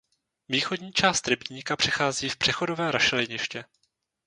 Východní část rybníka přechází v přechodové rašeliniště.